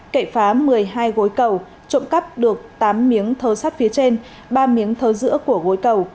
kệ phá một mươi hai gối cầu trộm cắp được tám miếng thơ sắt phía trên ba miếng thơ giữa của gối cầu